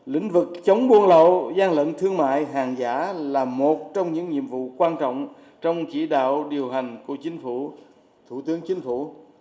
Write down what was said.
lĩnh vực chống buôn lậu gian lận thương mại hàng giả là một trong những nhiệm vụ quan trọng trong chỉ đạo điều hành của chính phủ thủ tướng chính phủ